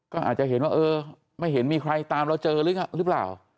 ก็อาจจะเห็นว่าเออไม่เห็นมีใครตามเราเจอหรือเปล่า